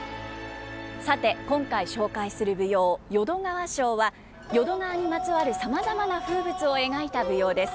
さて今回紹介する舞踊「淀川抄」は淀川にまつわるさまざまな風物を描いた舞踊です。